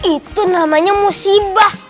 itu namanya musibah